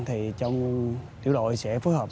trong tiểu đội sẽ phối hợp